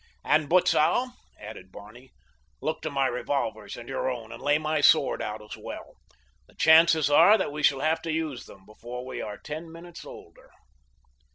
"And, Butzow," added Barney, "look to my revolvers and your own, and lay my sword out as well. The chances are that we shall have to use them before we are ten minutes older."